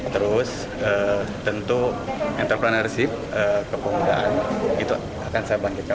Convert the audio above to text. terus tentu entrepreneurship kepemudaan itu akan saya bangkitkan